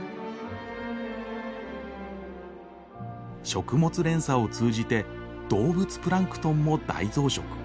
食物連鎖を通じて動物プランクトンも大増殖。